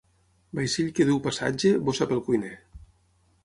Vaixell que duu passatge, bossa pel cuiner.